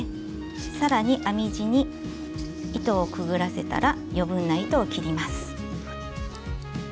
さらに編み地に糸をくぐらせたら余分な糸を切ります。